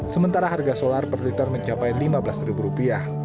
sementara harga solar per liter mencapai rp lima belas